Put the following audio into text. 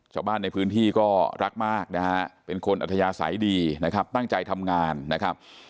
ชาวบ้านในพื้นที่ก็รักมากนะฮะเป็นคนอัธยาศัยดีนะครับตั้งใจทำงานนะครับ